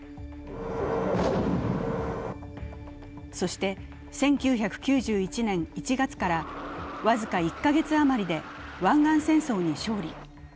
そして１９９１年１月から、僅か１カ月余りで湾岸戦争に勝利。